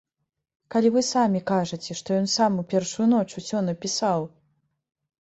Калі вы самі кажаце, што ён сам у першую ноч усё напісаў?